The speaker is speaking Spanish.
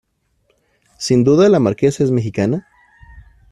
¿ sin duda la Marquesa es mexicana?